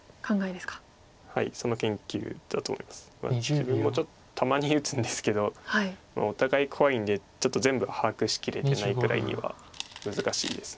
自分もたまに打つんですけどお互い怖いんでちょっと全部把握しきれてないぐらいには難しいです。